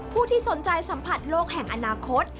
ผู้ที่สนใจสัมผัสโลกแห่งอนาคต